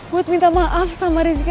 buat minta maaf sama rizky